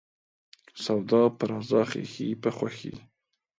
سوداپه رضا ، خيښي په خوښي.